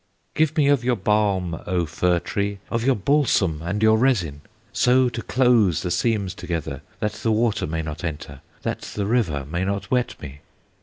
"Give me of your balm, O Fir tree! Of your balsam and your resin, So to close the seams together That the water may not enter, That the river may not wet me!"